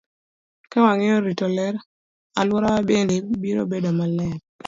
Ka wang'eyo rito ler, alworawa bende biro bedo maler.